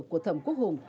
của thẩm quốc hùng